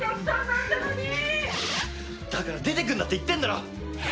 だから出てくんなって言ってんだろ！